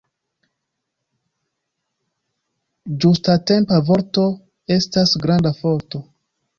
Ĝustatempa vorto estas granda forto.